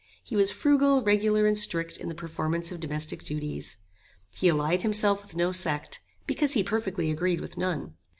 He was frugal, regular, and strict in the performance of domestic duties. He allied himself with no sect, because he perfectly agreed with none.